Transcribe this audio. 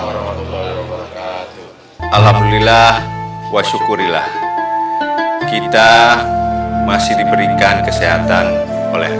warahmatullah wabarakatuh alhamdulillah wa syukurillah kita masih diberikan kesehatan oleh